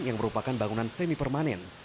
yang merupakan bangunan semi permanen